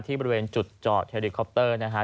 บริเวณจุดจอดเฮลิคอปเตอร์นะฮะ